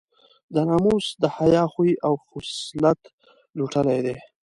د ناموس د حیا خوی او خصلت لوټلی دی.